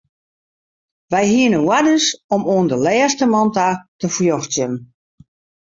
Wy hiene oarders om oan de lêste man ta te fjochtsjen.